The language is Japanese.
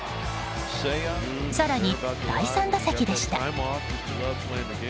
更に、第３打席でした。